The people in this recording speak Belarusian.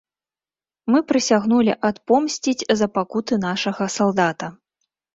Мы прысягнулі адпомсціць за пакуты нашага салдата.